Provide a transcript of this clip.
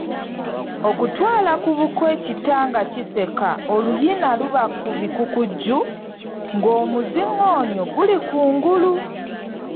Okutwala ku buko ekita nga kiseka oluyina luba kubikukujju, ng'omuziŋoonyo guli ku ngulu.